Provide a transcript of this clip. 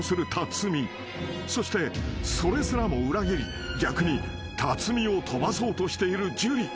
［そしてそれすらも裏切り逆に辰巳をとばそうとしている樹］